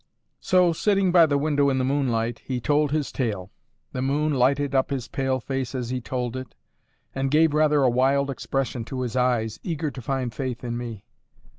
So, sitting by the window in the moonlight, he told his tale. The moon lighted up his pale face as he told it, and gave rather a wild expression to his eyes, eager to find faith in me.